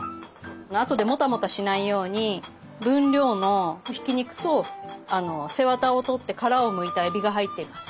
あとでもたもたしないように分量のひき肉と背わたを取って殻をむいたえびが入ってます。